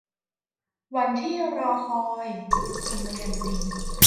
วันที่รอคอย - ทมยันตี